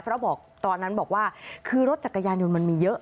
เพราะบอกตอนนั้นบอกว่าคือรถจักรยานยนต์มันมีเยอะ